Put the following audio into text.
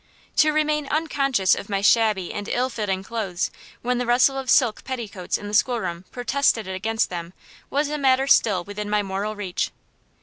To remain unconscious of my shabby and ill fitting clothes when the rustle of silk petticoats in the schoolroom protested against them was a matter still within my moral reach.